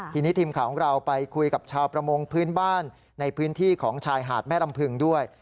ทีนี้ทีมข่าวของเราไปคุยกับชาวประมงพื้นบ้านในพื้นที่ของชายหาดแม่ลำพึงด้วย